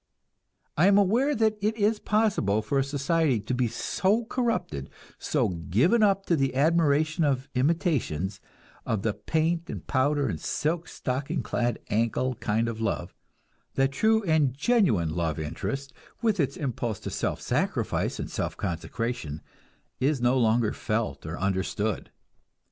I am aware that it is possible for a society to be so corrupted, so given up to the admiration of imitations, of the paint and powder and silk stocking clad ankle kind of love, that true and genuine love interest, with its impulse to self sacrifice and self consecration, is no longer felt or understood.